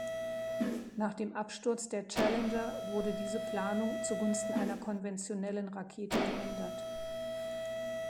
Nach dem Absturz der Challenger wurde diese Planung zugunsten einer konventionellen Rakete geändert.